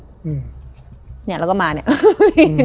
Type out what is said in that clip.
เนี่ยแล้วก็มาเนี่ย